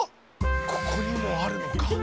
ここにもあるのか。